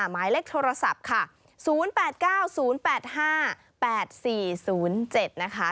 หมายเลขโทรศัพท์ค่ะ๐๘๙๐๘๕๘๔๐๗นะคะ